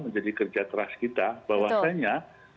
menjadi kerja keras kita bahwasanya